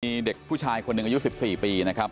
มีเด็กผู้ชายคนหนึ่งอายุ๑๔ปีนะครับ